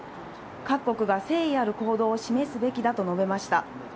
各国が誠意ある行動を示すべきだと述べました。